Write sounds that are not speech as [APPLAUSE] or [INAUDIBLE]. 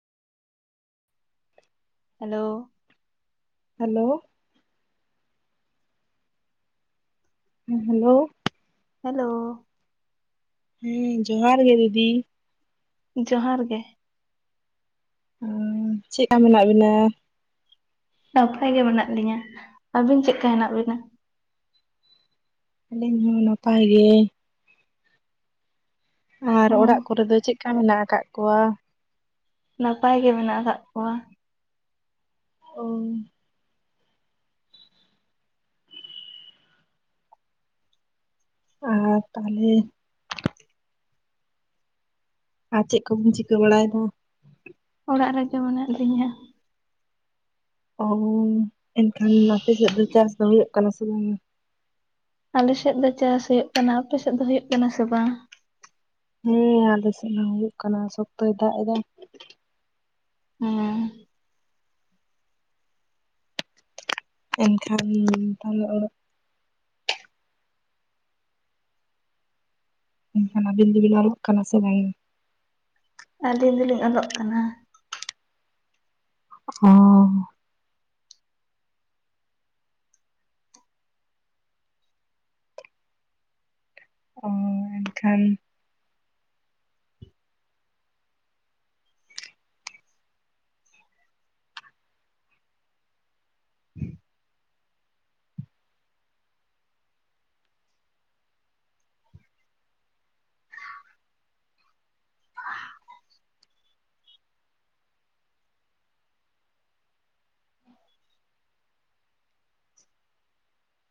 Hello. Hello. ᱦᱩᱸ hello. Hello. ᱦᱮᱸ ᱡᱚᱦᱟᱨ ᱜᱮ ᱫᱤᱫᱤ᱾ ᱡᱚᱦᱟᱨ ᱜᱮ᱾ ᱩᱸᱻ ᱪᱮᱫᱠᱟ ᱢᱮᱱᱟᱜ ᱵᱤᱱᱟ? ᱱᱟᱯᱟᱭ ᱜᱮ ᱢᱮᱱᱟᱜ ᱞᱤᱧᱟ, ᱟᱹᱵᱤᱱ ᱪᱮᱫᱠᱟ ᱦᱮᱱᱟᱜ ᱵᱤᱱᱟ? ᱟᱹᱞᱤᱧ ᱦᱚᱸ ᱱᱟᱯᱟᱭ ᱜᱮ᱾ ᱟᱨ ᱦᱚᱸ ᱚᱲᱟᱜ ᱠᱚᱨᱮ ᱫᱚ ᱪᱮᱫᱠᱟ ᱢᱮᱱᱟᱜ ᱟᱠᱟᱜ ᱠᱚᱣᱟ? ᱱᱟᱯᱟᱭ ᱜᱮ ᱢᱮᱱᱟᱜ ᱟᱠᱟᱫ ᱠᱚᱣᱟ᱾ ᱳᱻ ᱟᱨ ᱛᱟᱦᱚᱞᱮ ᱟᱨ ᱪᱮᱫ ᱠᱚᱵᱤᱱ ᱪᱤᱠᱟᱹ ᱵᱟᱲᱟᱭᱮᱫᱟ? ᱚᱲᱟᱜ ᱨᱮᱜᱮ ᱢᱮᱱᱟᱜ ᱞᱤᱧᱟ ᱾ ᱚᱻ, ᱮᱱᱠᱷᱟᱱ ᱟᱯᱮ ᱥᱮᱫ ᱫᱚ ᱪᱟᱥ ᱫᱚ ᱦᱳᱭᱳᱜ ᱠᱟᱱᱟ ᱥᱮ ᱵᱟᱝᱟ? ᱟᱞᱮᱥᱮᱫ ᱫᱚ ᱪᱟᱥ ᱦᱳᱭᱳᱜ ᱠᱟᱱᱟ, ᱟᱯᱮ ᱥᱮᱫ ᱫᱚ ᱦᱳᱭᱳᱜ ᱠᱟᱱᱟ ᱥᱮ ᱵᱟᱝ? ᱦᱮᱸ ᱟᱞᱮᱥᱮᱫ ᱢᱟ ᱦᱳᱭᱳᱜ ᱠᱟᱱᱟ, ᱥᱚᱠᱛᱚᱭ ᱫᱟᱜ ᱮᱫᱟ᱾ ᱦᱩᱸᱻ ᱮᱱᱠᱷᱟᱱ ᱛᱟᱦᱞᱮ ᱚᱲᱟᱜ ᱮᱱᱠᱷᱟᱱ ᱟᱵᱤᱱ ᱫᱚᱵᱤᱱ ᱚᱞᱚᱜ ᱠᱟᱱᱟ ᱥᱮ ᱵᱟᱝᱟ? ᱟᱹᱞᱤᱧ ᱫᱚᱞᱤᱧ ᱚᱞᱚᱜ ᱠᱟᱱᱟ᱾ ᱚᱸᱻ ᱚᱻ ᱮᱱᱠᱷᱟᱱ [INAUDIBLE] [INAUDIBLE]